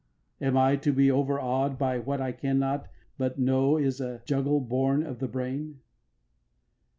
Am I to be overawed By what I cannot but know Is a juggle born of the brain?